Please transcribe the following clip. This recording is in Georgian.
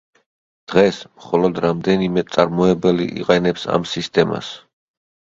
დღეს, მხოლოდ რამდენიმე მწარმოებელი იყენებს ამ სისტემას.